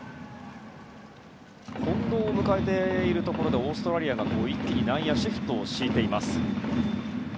近藤を迎えているところでオーストラリアが一気に内野シフトを敷いています。